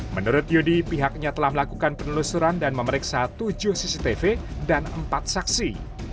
menurut yudi pihaknya telah melakukan penelusuran dan memeriksa tujuh cctv dan empat saksi